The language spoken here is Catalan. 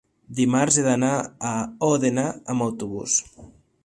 dimarts he d'anar a Òdena amb autobús.